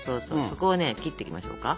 そこをね切っていきましょうか。